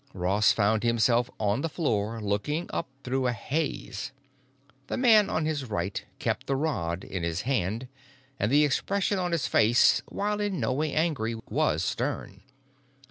Ross found himself on the floor, looking up through a haze. The man on his right kept the rod in his hand, and the expression on his face, while in no way angry, was stern.